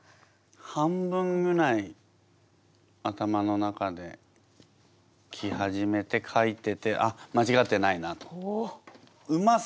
半分ぐらい頭の中で来始めて書いててあっまちがってないなと。